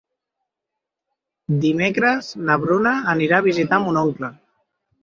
Dimecres na Bruna anirà a visitar mon oncle.